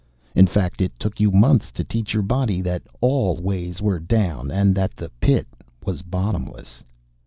In fact, it took you months to teach your body that all ways were down and that the pit was bottomless.